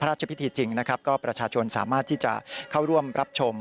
พระราชพิธีจริงนะครับก็ประชาชนสามารถที่จะเข้าร่วมรับชม